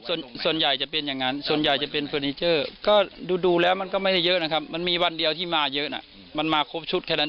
ส่วนส่วนใหญ่จะเป็นอย่างนั้นส่วนใหญ่จะเป็นเฟอร์นิเจอร์ก็ดูแล้วมันก็ไม่ได้เยอะนะครับมันมีวันเดียวที่มาเยอะนะมันมาครบชุดแค่นั้น